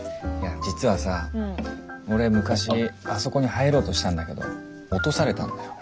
実はさ俺昔あそこに入ろうとしたんだけど落とされたんだよ。